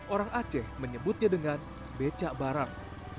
orang aceh menyebutnya dengan becak barang